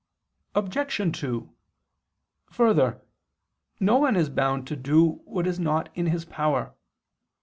Obj. 2: Further, no one is bound to do what is not in his power.